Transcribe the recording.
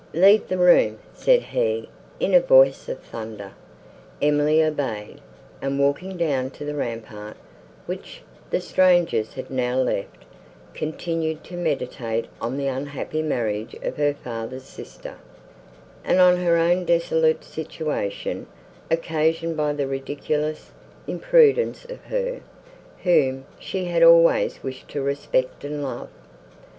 "Leave the room," said he, in a voice of thunder. Emily obeyed, and, walking down to the rampart, which the strangers had now left, continued to meditate on the unhappy marriage of her father's sister, and on her own desolate situation, occasioned by the ridiculous imprudence of her, whom she had always wished to respect and love.